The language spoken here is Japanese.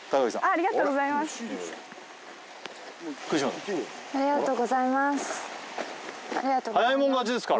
ありがとうございます